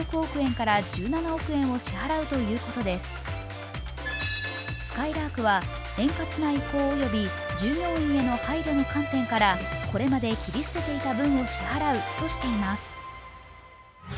すかいらーくは円滑な移行及び従業員への配慮の観点からこれまで切り捨てていた分を支払うとしています。